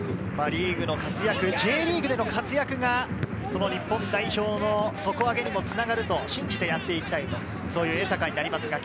リーグの活躍、Ｊリーグでの活躍が日本代表の底上げにもつながると信じてやっていきたいとそういう江坂になります。